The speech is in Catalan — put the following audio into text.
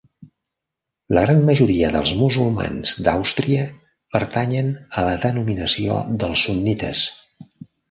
La gran majoria de musulmans d'Àustria pertanyen a la denominació dels Sunnites.